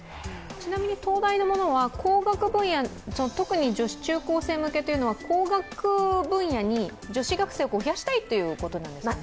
ちなみに東大のものは工学分野、女子中高生向けということですが工学分野の女子学生を増やしたいということなんですね。